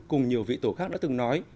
cùng nhiều vị tổ khác đã từng nói